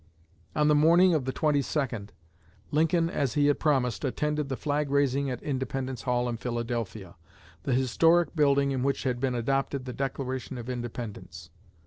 On the morning of the 22d, Lincoln, as he had promised, attended the flag raising at Independence Hall in Philadelphia, the historic building in which had been adopted the Declaration of Independence.